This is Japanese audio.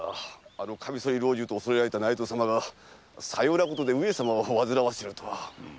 あの剃刀老中と恐れられた内藤様がさようなことで上様を煩わせるとは。